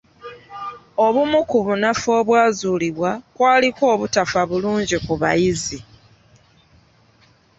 Obumu ku bunafu obwazuulibwa kwaliko obutafa bulungi ku bayizi.